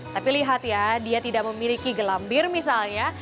tapi lihat ya dia tidak memiliki gelambir misalnya